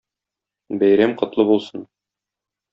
Бәйрәм котлы булсын!